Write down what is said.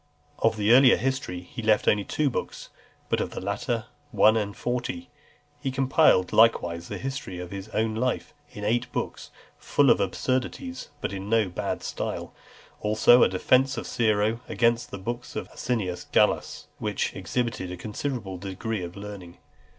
Of the earlier history he left only two books, but of the latter, one and forty. He compiled likewise the "History of his Own Life," in eight books, full of absurdities, but in no bad style; also, "A Defence of Cicero against the Books of Asinius Gallus," which exhibited a considerable degree of learning.